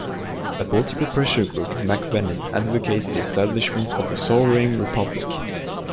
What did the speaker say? A political pressure group Mec Vannin advocates the establishment of a sovereign republic.